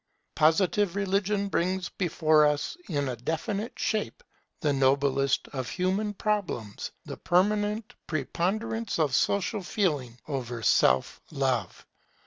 Positive religion brings before us in a definite shape the noblest of human problems, the permanent preponderance of Social feeling over Self love.